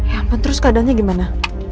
ya pak terus keadaannya gimana